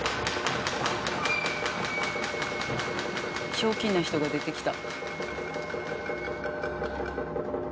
ひょうきんな人が出てきた。